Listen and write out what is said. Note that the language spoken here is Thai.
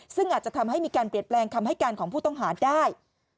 ซึ่งอาจจะทำให้มีการเปลี่ยนแปลงคำให้การของผู้ต้องหาได้